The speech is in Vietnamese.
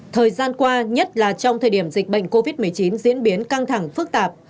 thời gian qua nhất là trong thời điểm dịch bệnh covid một mươi chín diễn biến căng thẳng phức tạp